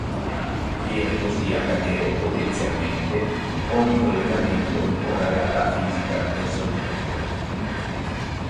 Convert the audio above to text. Viene così a cadere, potenzialmente, ogni collegamento con la realtà fisica del soggetto.